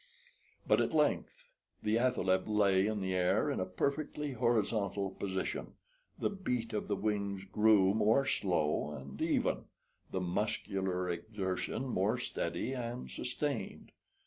But at length the athaleb lay in the air in a perfectly horizontal position; the beat of the wings grew more slow and even, the muscular exertion more steady and sustained.